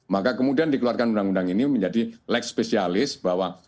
maka kemudian dikeluarkan undang undang ini menjadi leg spesialis bahwa